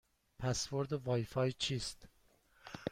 پسورد وای فای چیست؟